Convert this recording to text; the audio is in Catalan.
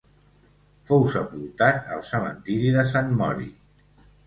Fou sepultat al cementiri de Sant Mori.